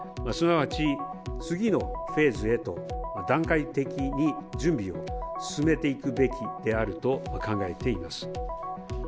すなわち、次のフェーズへと段階的に準備を進めていくべきであると考えています。